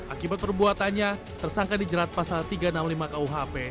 akibat perbuatannya tersangka dijerat pasal tiga ratus enam puluh lima kuhp